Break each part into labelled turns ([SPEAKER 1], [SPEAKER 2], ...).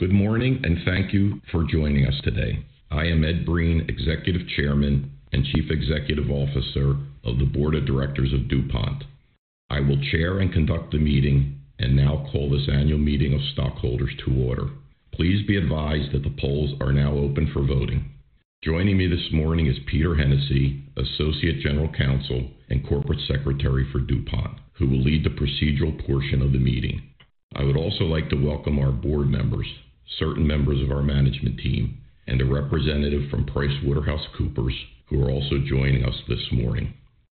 [SPEAKER 1] Good morning, thank you for joining us today. I am Ed Breen, Executive Chairman and Chief Executive Officer of the Board of Directors of DuPont. I will chair and conduct the meeting and now call this annual meeting of stockholders to order. Please be advised that the polls are now open for voting. Joining me this morning is Peter Hennessey, Associate General Counsel and Corporate Secretary for DuPont, who will lead the procedural portion of the meeting. I would also like to welcome our board members, certain members of our management team, and a representative from PricewaterhouseCoopers, who are also joining us this morning.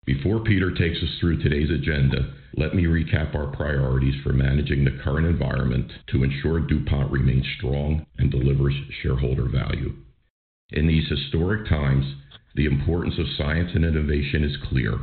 [SPEAKER 1] Before Peter takes us through today's agenda, let me recap our priorities for managing the current environment to ensure DuPont remains strong and delivers shareholder value. In these historic times, the importance of science and innovation is clear,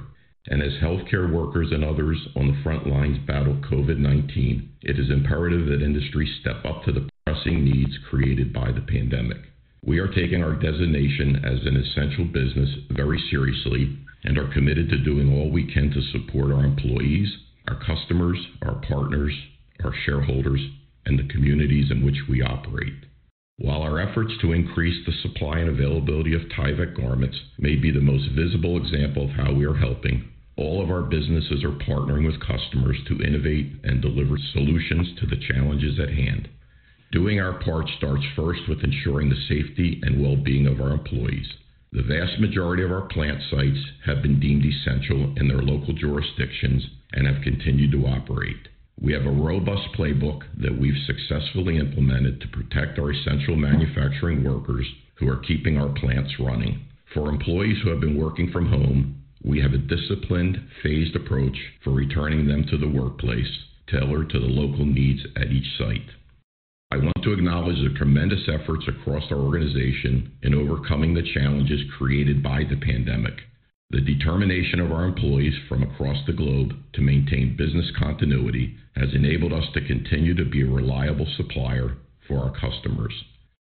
[SPEAKER 1] and as healthcare workers and others on the front lines battle COVID-19, it is imperative that industry step up to the pressing needs created by the pandemic. We are taking our designation as an essential business very seriously and are committed to doing all we can to support our employees, our customers, our partners, our shareholders, and the communities in which we operate. While our efforts to increase the supply and availability of Tyvek garments may be the most visible example of how we are helping, all of our businesses are partnering with customers to innovate and deliver solutions to the challenges at hand. Doing our part starts first with ensuring the safety and well-being of our employees. The vast majority of our plant sites have been deemed essential in their local jurisdictions and have continued to operate. We have a robust playbook that we've successfully implemented to protect our essential manufacturing workers who are keeping our plants running. For employees who have been working from home, we have a disciplined, phased approach for returning them to the workplace, tailored to the local needs at each site. I want to acknowledge the tremendous efforts across our organization in overcoming the challenges created by the pandemic. The determination of our employees from across the globe to maintain business continuity has enabled us to continue to be a reliable supplier for our customers.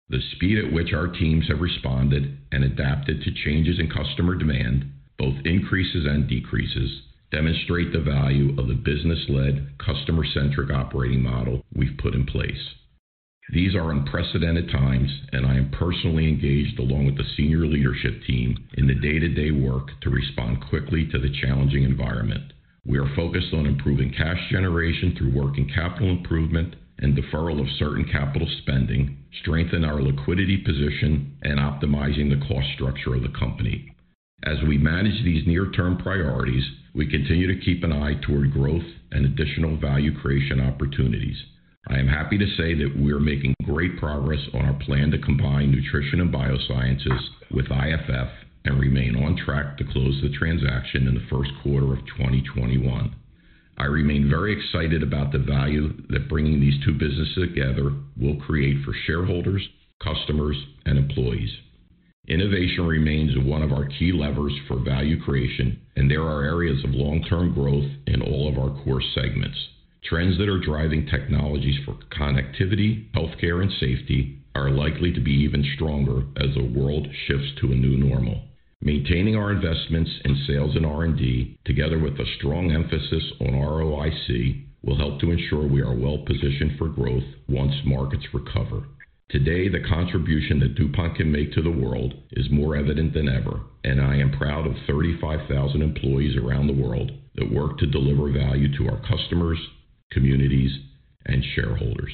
[SPEAKER 1] The speed at which our teams have responded and adapted to changes in customer demand, both increases and decreases, demonstrate the value of the business-led, customer-centric operating model we've put in place. These are unprecedented times, and I am personally engaged, along with the senior leadership team, in the day-to-day work to respond quickly to the challenging environment. We are focused on improving cash generation through working capital improvement and deferral of certain capital spending, strengthen our liquidity position, and optimizing the cost structure of the company. As we manage these near-term priorities, we continue to keep an eye toward growth and additional value creation opportunities. I am happy to say that we are making great progress on our plan to combine Nutrition & Biosciences with IFF and remain on track to close the transaction in the first quarter of 2021. I remain very excited about the value that bringing these two businesses together will create for shareholders, customers, and employees. Innovation remains one of our key levers for value creation, and there are areas of long-term growth in all of our core segments. Trends that are driving technologies for connectivity, healthcare, and safety are likely to be even stronger as the world shifts to a new normal. Maintaining our investments in sales and R&D, together with a strong emphasis on ROIC, will help to ensure we are well-positioned for growth once markets recover. Today, the contribution that DuPont can make to the world is more evident than ever, and I am proud of 35,000 employees around the world that work to deliver value to our customers, communities, and shareholders.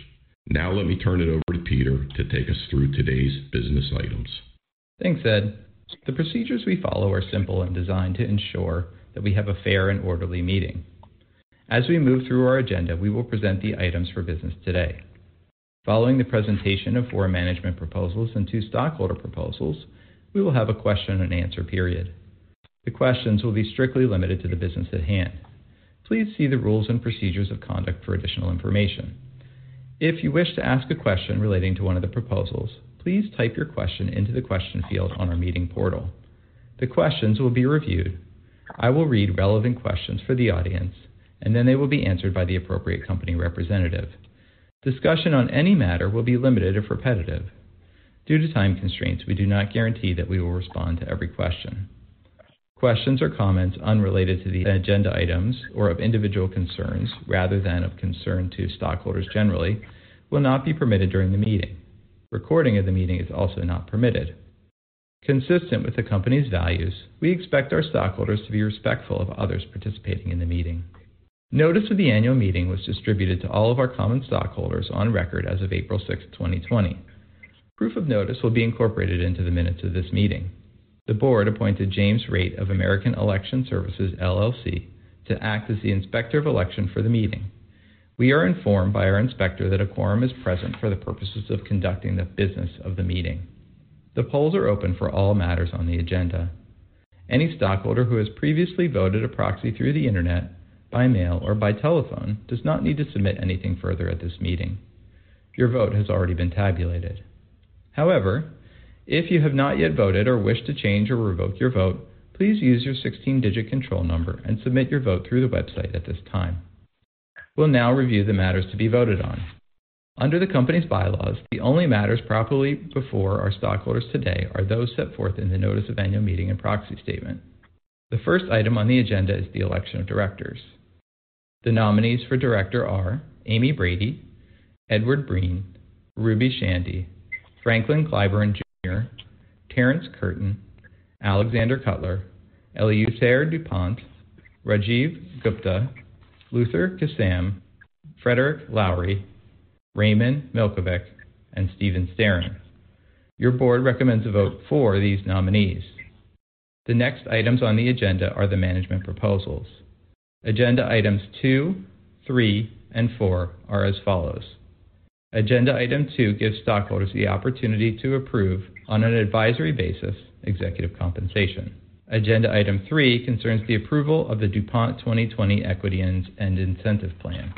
[SPEAKER 1] Now let me turn it over to Peter to take us through today's business items.
[SPEAKER 2] Thanks, Ed. The procedures we follow are simple and designed to ensure that we have a fair and orderly meeting. As we move through our agenda, we will present the items for business today. Following the presentation of four management proposals and two stockholder proposals, we will have a question and answer period. The questions will be strictly limited to the business at hand. Please see the rules and procedures of conduct for additional information. If you wish to ask a question relating to one of the proposals, please type your question into the question field on our meeting portal. The questions will be reviewed. I will read relevant questions for the audience, and then they will be answered by the appropriate company representative. Discussion on any matter will be limited if repetitive. Due to time constraints, we do not guarantee that we will respond to every question. Questions or comments unrelated to the agenda items or of individual concerns, rather than of concern to stockholders generally, will not be permitted during the meeting. Recording of the meeting is also not permitted. Consistent with the company's values, we expect our stockholders to be respectful of others participating in the meeting. Notice of the annual meeting was distributed to all of our common stockholders on record as of April 6, 2020. Proof of notice will be incorporated into the minutes of this meeting. The board appointed James Raitt of American Election Services, LLC, to act as the inspector of election for the meeting. We are informed by our inspector that a quorum is present for the purposes of conducting the business of the meeting. The polls are open for all matters on the agenda. Any stockholder who has previously voted a proxy through the internet, by mail, or by telephone does not need to submit anything further at this meeting. Your vote has already been tabulated. If you have not yet voted or wish to change or revoke your vote, please use your 16-digit control number and submit your vote through the website at this time. We'll now review the matters to be voted on. Under the company's bylaws, the only matters properly before our stockholders today are those set forth in the notice of annual meeting and proxy statement. The first item on the agenda is the election of directors. The nominees for director are Amy Brady, Edward Breen, Ruby Chandy, Franklin Clyburn Jr., Terrence Curtin, Alexander Cutler, Eleuthère du Pont, Rajiv Gupta, Luther Kissam, Frederick Lowery, Raymond Milchovich, and Steven Sterin. Your board recommends a vote for these nominees. The next items on the agenda are the management proposals. Agenda items two, three, and four are as follows. Agenda item two gives stockholders the opportunity to approve, on an advisory basis, executive compensation. Agenda item three concerns the approval of the DuPont 2020 Equity and Incentive Plan.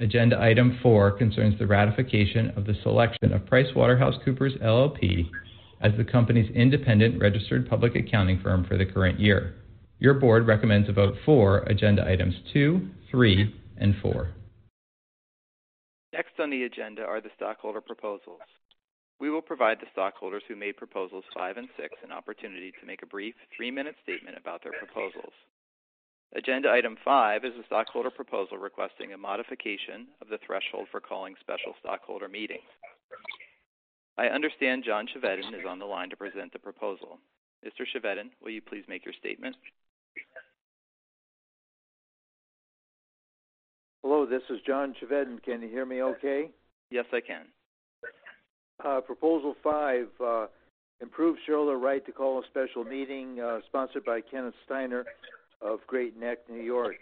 [SPEAKER 2] Agenda item four concerns the ratification of the selection of PricewaterhouseCoopers LLP as the company's independent registered public accounting firm for the current year. Your Board recommends a vote for agenda items two, three, and four. Next on the agenda are the stockholder proposals. We will provide the stockholders who made proposals five and six an opportunity to make a brief three-minute statement about their proposals. Agenda item five is a stockholder proposal requesting a modification of the threshold for calling special stockholder meetings. I understand John Chevedden is on the line to present the proposal. Mr. Chevedden, will you please make your statement?
[SPEAKER 3] Hello, this is John Chevedden. Can you hear me okay?
[SPEAKER 2] Yes, I can.
[SPEAKER 3] Proposal five, improve shareholder right to call a special meeting, sponsored by Kenneth Steiner of Great Neck, New York.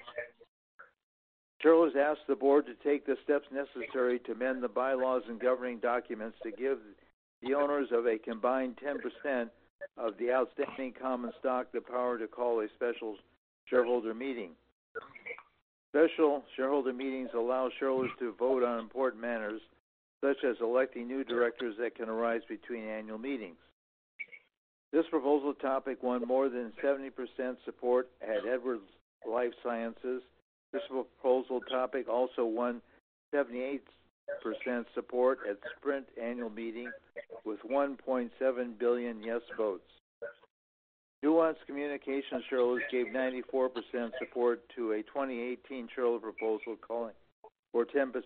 [SPEAKER 3] Shareholders ask the board to take the steps necessary to amend the bylaws and governing documents to give the owners of a combined 10% of the outstanding common stock the power to call a special shareholder meeting. Special shareholder meetings allow shareholders to vote on important matters, such as electing new directors, that can arise between annual meetings. This proposal topic won more than 70% support at Edwards Lifesciences. This proposal topic also won 78% support at Sprint annual meeting with 1.7 billion yes votes. Nuance Communications shareholders gave 94% support to a 2018 shareholder proposal, calling for 10%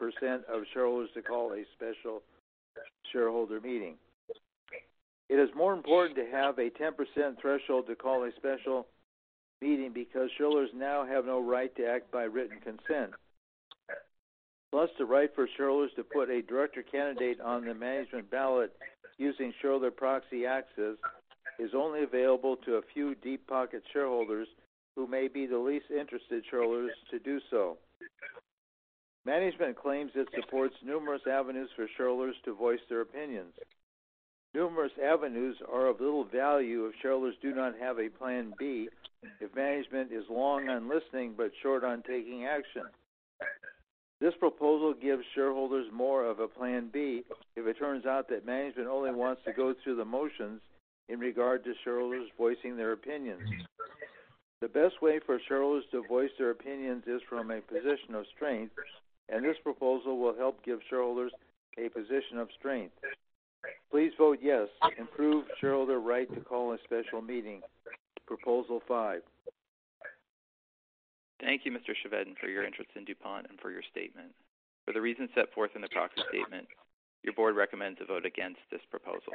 [SPEAKER 3] of shareholders to call a special shareholder meeting. It is more important to have a 10% threshold to call a special meeting because shareholders now have no right to act by written consent. Plus, the right for shareholders to put a director candidate on the management ballot using shareholder proxy access is only available to a few deep-pocket shareholders who may be the least interested shareholders to do so. Management claims it supports numerous avenues for shareholders to voice their opinions. Numerous avenues are of little value if shareholders do not have a plan B if management is long on listening but short on taking action. This proposal gives shareholders more of a plan B if it turns out that management only wants to go through the motions in regard to shareholders voicing their opinions. The best way for shareholders to voice their opinions is from a position of strength, and this proposal will help give shareholders a position of strength. Please vote yes to improve shareholder right to call a special meeting, proposal five.
[SPEAKER 2] Thank you, Mr. Chevedden, for your interest in DuPont and for your statement. For the reasons set forth in the proxy statement, your board recommends a vote against this proposal.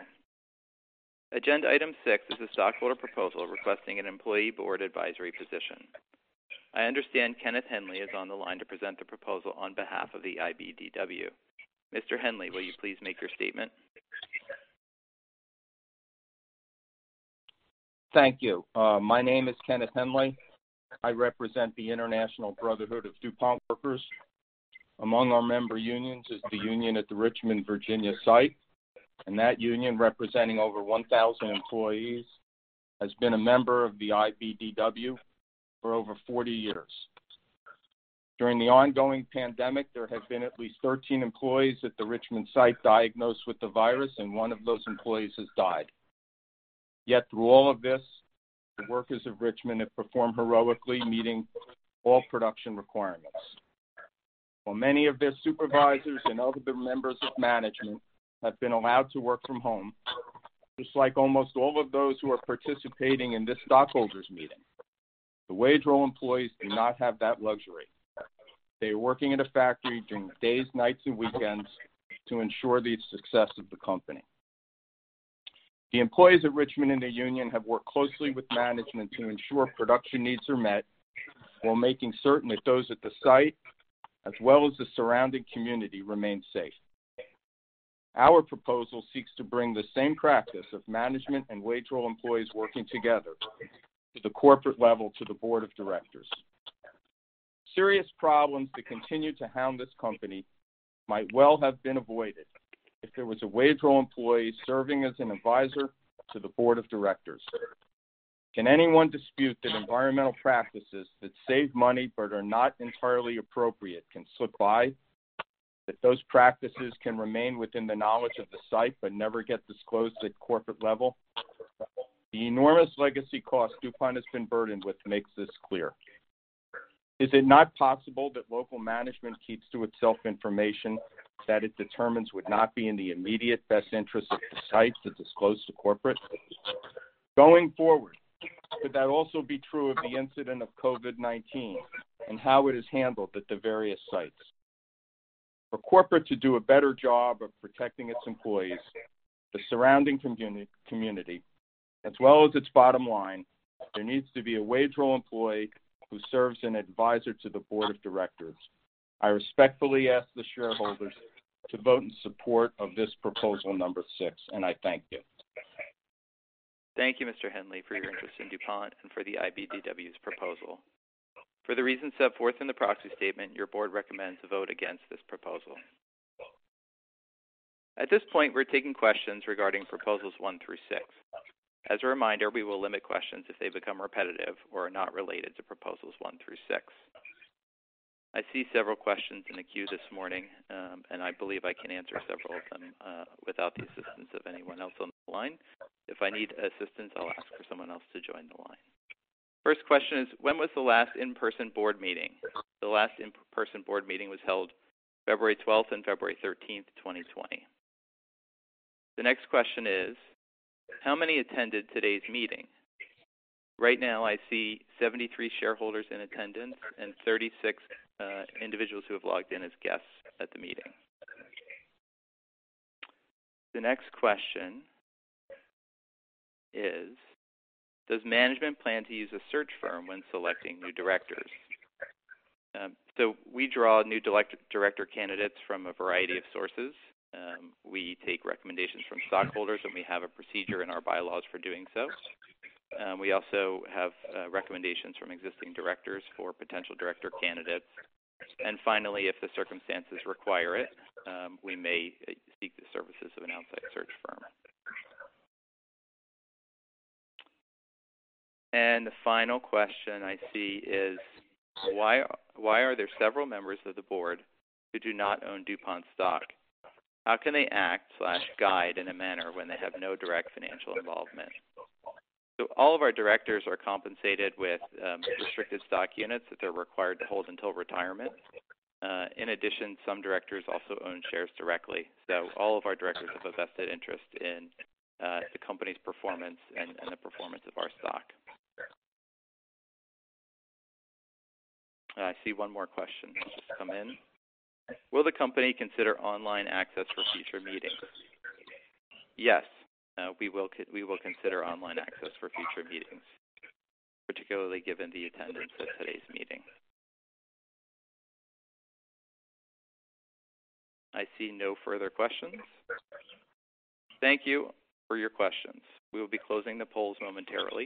[SPEAKER 2] Agenda item six is a stockholder proposal requesting an employee board advisory position. I understand Kenneth Henley is on the line to present the proposal on behalf of the IBDW. Mr. Henley, will you please make your statement?
[SPEAKER 4] Thank you. My name is Kenneth Henley. I represent the International Brotherhood of DuPont Workers. Among our member unions is the union at the Richmond, Virginia site, and that union, representing over 1,000 employees, has been a member of the IBDW for over 40 years. During the ongoing pandemic, there have been at least 13 employees at the Richmond site diagnosed with the virus, and one of those employees has died. Through all of this, the workers of Richmond have performed heroically, meeting all production requirements. While many of their supervisors and other members of management have been allowed to work from home, just like almost all of those who are participating in this stockholders meeting, the wage roll employees do not have that luxury. They are working at a factory during days, nights, and weekends to ensure the success of the company. The employees at Richmond and their union have worked closely with management to ensure production needs are met while making certain that those at the site, as well as the surrounding community, remain safe. Our proposal seeks to bring the same practice of management and wage roll employees working together to the corporate level to the board of directors. Serious problems that continue to hound this company might well have been avoided if there was a wage roll employee serving as an advisor to the board of directors. Can anyone dispute that environmental practices that save money but are not entirely appropriate can slip by? That those practices can remain within the knowledge of the site but never get disclosed at corporate level? The enormous legacy cost DuPont has been burdened with makes this clear. Is it not possible that local management keeps to itself information that it determines would not be in the immediate best interest of the site to disclose to corporate? Going forward, could that also be true of the incident of COVID-19 and how it is handled at the various sites? For corporate to do a better job of protecting its employees, the surrounding community, as well as its bottom line, there needs to be a wage roll employee who serves an advisor to the board of directors. I respectfully ask the shareholders to vote in support of this proposal number six, and I thank you.
[SPEAKER 2] Thank you, Mr. Henley, for your interest in DuPont and for the IBDW's proposal. For the reasons set forth in the proxy statement, your board recommends a vote against this proposal. At this point, we're taking questions regarding proposals one through six. As a reminder, we will limit questions if they become repetitive or are not related to proposals one through six. I see several questions in the queue this morning. I believe I can answer several of them without the assistance of anyone else on the line. If I need assistance, I'll ask for someone else to join the line. First question is, when was the last in-person board meeting? The last in-person board meeting was held February 12 and February 13, 2020. The next question is, how many attended today's meeting? Right now, I see 73 shareholders in attendance and 36 individuals who have logged in as guests at the meeting. The next question is, does management plan to use a search firm when selecting new directors? We draw new director candidates from a variety of sources. We take recommendations from stockholders, and we have a procedure in our bylaws for doing so. We also have recommendations from existing directors for potential director candidates. Finally, if the circumstances require it, we may seek the services of an outside search firm. The final question I see is why are there several members of the board who do not own DuPont stock? How can they act/guide in a manner when they have no direct financial involvement? All of our directors are compensated with restrictived stock units that they're required to hold until retirement. In addition, some directors also own shares directly. All of our directors have a vested interest in the company's performance and the performance of our stock. I see one more question that just come in. Will the company consider online access for future meetings? Yes. We will consider online access for future meetings, particularly given the attendance at today's meeting. I see no further questions. Thank you for your questions. We will be closing the polls momentarily.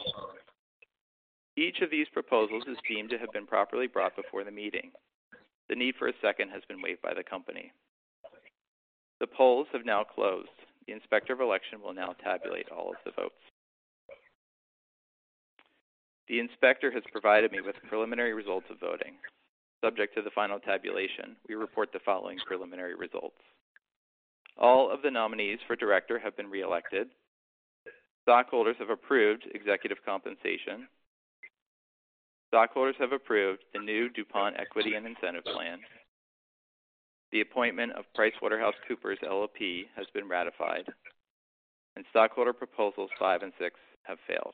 [SPEAKER 2] Each of these proposals is deemed to have been properly brought before the meeting. The need for a second has been waived by the company. The polls have now closed. The Inspector of Election will now tabulate all of the votes. The Inspector has provided me with preliminary results of voting. Subject to the final tabulation, we report the following preliminary results. All of the nominees for director have been reelected. Stockholders have approved executive compensation. Stockholders have approved the new DuPont Equity Incentive Plan. The appointment of PricewaterhouseCoopers LLP has been ratified, and stockholder proposals five and six have failed.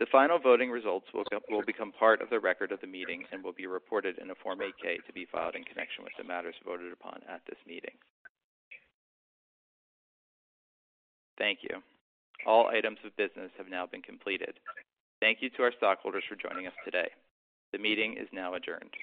[SPEAKER 2] The final voting results will become part of the record of the meeting and will be reported in a Form 8-K to be filed in connection with the matters voted upon at this meeting. Thank you. All items of business have now been completed. Thank you to our stockholders for joining us today. The meeting is now adjourned.